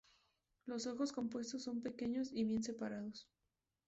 Los ojos compuestos son pequeños y bien separados.